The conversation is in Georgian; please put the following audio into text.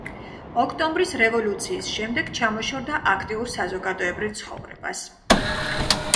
ოქტომბრის რევოლუციის შემდეგ ჩამოშორდა აქტიურ საზოგადოებრივ ცხოვრებას.